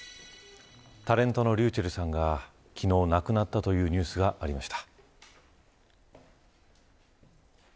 タレントのｒｙｕｃｈｅｌｌさんが昨日亡くなったというニュースがありました。